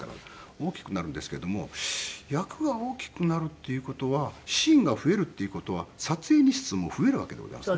大きくなるんですけども役が大きくなるっていう事はシーンが増えるっていう事は撮影日数も増えるわけでございますね。